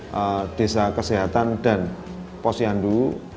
di desa kesehatan dan posyandu